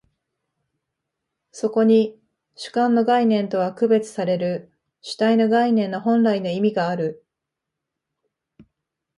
そこに主観の概念とは区別される主体の概念の本来の意味がある。